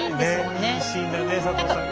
ねえいいシーンだね佐藤さん